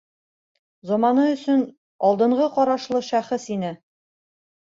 Заманы өсөн алдынғы ҡарашлы шәхес ине.